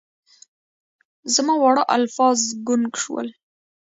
زما واړه الفاظ ګونګ شول